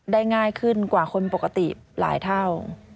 ง่ายขึ้นกว่าคนปกติหลายเท่า